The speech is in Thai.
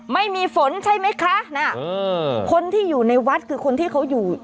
ไม่มีฝนใช่ไหมคะน่ะเออคนที่อยู่ในวัดคือคนที่เขาอยู่